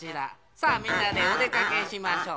さあみんなでおでかけしましょう。